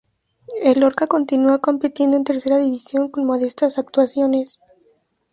El Lorca continúa compitiendo en Tercera División con modestas actuaciones.